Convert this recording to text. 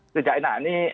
tidak enak ini